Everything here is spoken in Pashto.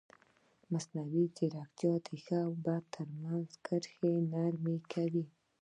مصنوعي ځیرکتیا د ښه او بد ترمنځ کرښه نرمه کوي.